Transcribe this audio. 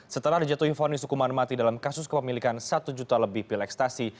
setelah dijatuhi vonis hukuman mati dalam kasus kepemilikan satu juta lebih pil ekstasi